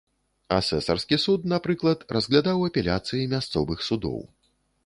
Асэсарскі суд, напрыклад, разглядаў апеляцыі мясцовых судоў.